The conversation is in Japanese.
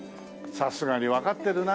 さすがにわかってるな。